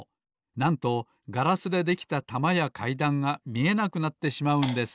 なんとガラスでできたたまやかいだんがみえなくなってしまうんです。